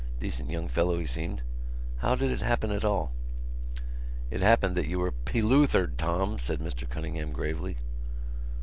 Decent young fellow, he seemed. How did it happen at all?" "It happened that you were peloothered, Tom," said Mr Cunningham gravely.